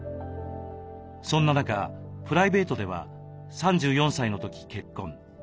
そんな中プライベートでは３４歳の時結婚。